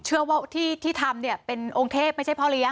เชื่อว่าที่ทำเนี่ยเป็นองค์เทพไม่ใช่พ่อเลี้ย